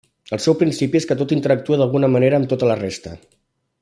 El seu principi és que tot interactua d'alguna manera amb tota la resta.